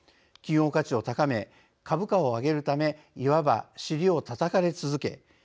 企業価値を高め株価を上げるためいわば、尻をたたかれ続け